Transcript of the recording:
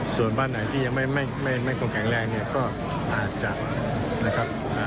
ส่วนบ้านไหนที่ยังไม่คงแข็งแรงเนี่ยก็อาจจะนะครับ